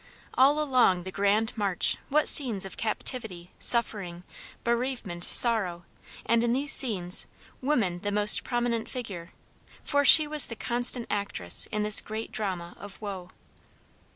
All along the grand march what scenes of captivity, suffering, bereavement, sorrow, and in these scenes, woman the most prominent figure, for she was the constant actress in this great drama of woe!